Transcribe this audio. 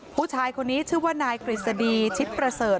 ผู้ชายคนนี้ชื่อว่านายกฤษฎีชิดประเสริฐ